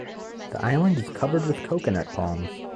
The island is covered with coconut palms.